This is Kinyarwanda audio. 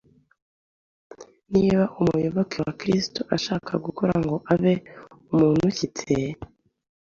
Niba umuyoboke wa Kristo ashaka gukura ngo abe ” umuntu ushyitse,